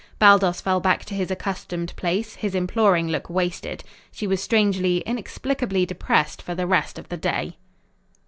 Baldos fell back to his accustomed place, his imploring look wasted. She was strangely, inexplicably depressed for the rest of the day.